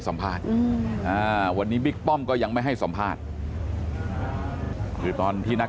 สัมภาษณ์วันนี้บิ๊กป้อมก็ยังไม่ให้สัมภาษณ์คือตอนที่นัก